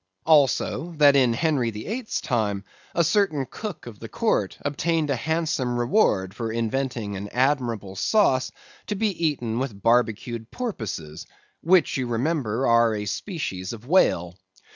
Also, that in Henry VIIIth's time, a certain cook of the court obtained a handsome reward for inventing an admirable sauce to be eaten with barbacued porpoises, which, you remember, are a species of whale.